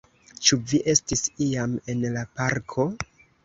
Ĉu vi estis iam en la parko?